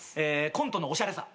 コントのおしゃれさ。